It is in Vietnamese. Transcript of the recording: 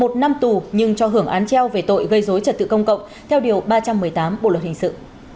một năm tù nhưng cho hưởng án treo về tội gây dối trật tự công cộng theo điều ba trăm một mươi tám bộ luật hình sự